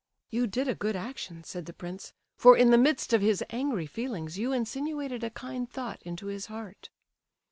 "You did a good action," said the prince, "for in the midst of his angry feelings you insinuated a kind thought into his heart."